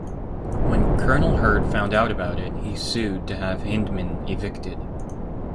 When Colonel Hurd found out about it, he sued to have Hyndman evicted.